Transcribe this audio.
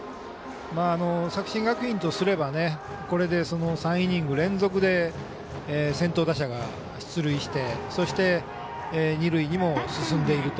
作新学院とすればこれで３イニング連続で先頭打者が出塁してそして、二塁にも進んでいると。